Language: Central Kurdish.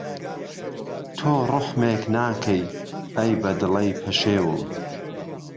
تۆ روحمێک ناکهی، ئهی به دڵهی پاشێوم